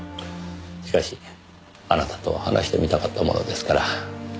しかしあなたと話してみたかったものですから。